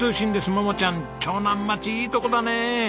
桃ちゃん長南町いいとこだねえ！